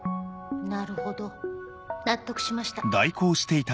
なるほど納得しました。